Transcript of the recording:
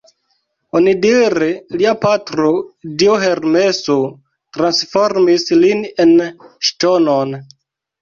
Onidire lia patro, dio Hermeso transformis lin en ŝtonon.